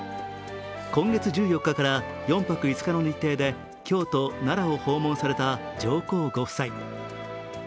今月１４日から４泊５日の日程で、京都・奈良を訪問された上皇ご夫妻。